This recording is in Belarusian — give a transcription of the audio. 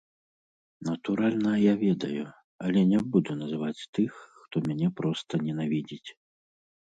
Натуральна, я ведаю, але не буду называць тых, хто мяне проста ненавідзіць.